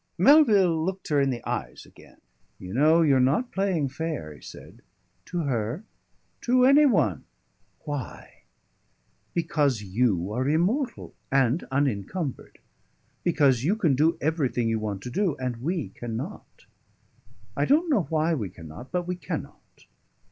Melville looked her in the eyes again. "You know, you're not playing fair," he said. "To her?" "To any one." "Why?" "Because you are immortal and unincumbered. Because you can do everything you want to do and we cannot. I don't know why we cannot, but we cannot.